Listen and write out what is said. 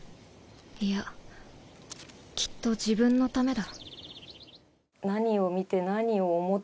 いやきっと自分のためだ。